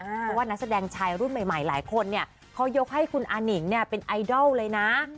เพราะว่านักแสดงชายรุ่นใหม่หลายคนเนี่ยเขายกให้คุณอานิงเนี่ยเป็นไอดอลเลยนะ